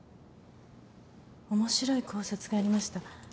面白い考察がありました。